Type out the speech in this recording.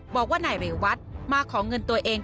บอกว่านายเรวัตมาขอเงินตัวเอง